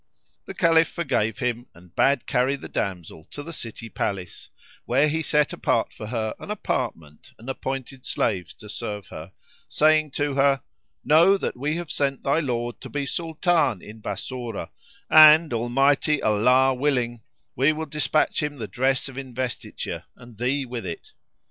"[FN#66] The Caliph forgave him and bade carry the damsel to the city palace, where he set apart for her an apartment and appointed slaves to serve her, saying to her, "Know that we have sent thy lord to be Sultan in Bassorah and, Almighty Allah willing, we will dispatch him the dress of investiture and thee with it."